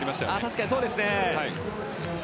確かにそうですね。